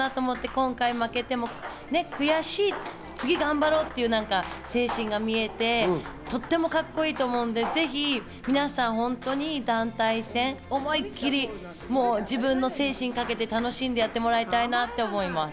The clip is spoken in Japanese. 今回負けても悔しい、次頑張ろうっていう精神が見えて、とてもカッコいいと思うので、ぜひ皆さん本当に団体戦、思い切り自分の精神を掛けて楽しんでやってもらいたいと思います。